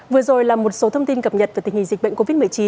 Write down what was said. vừa rồi là một số thông tin cập nhật về tình hình dịch bệnh covid một mươi chín